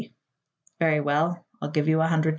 "Very well, I'll give you a hundred dollars."